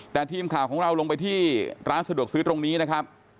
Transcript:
แต่ทีมข่าวของเราลงไปที่ร้านสะดวกซื้อตรงนี้นะครับ